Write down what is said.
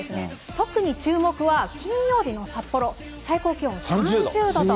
特に注目は、金曜日の札幌、最高気温３０度と。